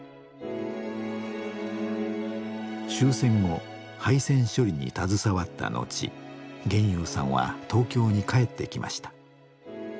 終戦後敗戦処理に携わった後現祐さんは東京に帰ってきました。